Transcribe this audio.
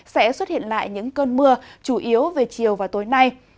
sẽ xuất hiện lại những cơn mưa chủ yếu về chiều và tối nay